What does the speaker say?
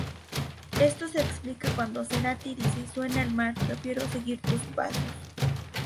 Esto se explica cuando Cerati dice: "Suena el mar... prefiero seguir tus pasos".